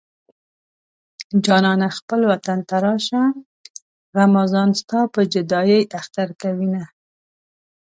جانانه خپل وطن ته راشه غمازان ستا په جدايۍ اختر کوينه